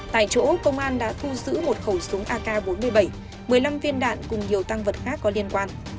tại chỗ công an đã thu giữ một khẩu súng ak bốn mươi bảy một mươi năm viên đạn cùng nhiều tăng vật khác có liên quan